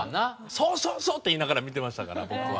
そうそうそう！って言いながら見てましたから僕は。